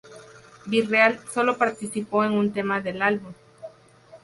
B-real solo participó en un tema del álbum.